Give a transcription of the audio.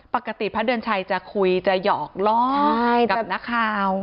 ปกติพระเดินชัยจะคุยจะหยอกล้อกับหน้าข่าว